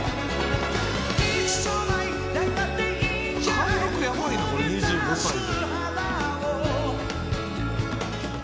貫禄ヤバいなこれ２５歳で。